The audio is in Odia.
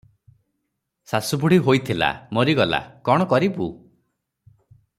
ଶାଶୁ ବୁଢ଼ୀ ହୋଇଥିଲା, ମରିଗଲା, କଣ କରିବୁ?